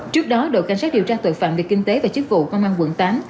trước đó đội cảnh sát điều tra tội phạm về kinh tế và chức vụ công an quận tám